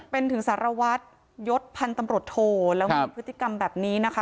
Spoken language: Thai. เป็นถึงสารวัตรยศพันธุ์ตำรวจโทแล้วมีพฤติกรรมแบบนี้นะคะ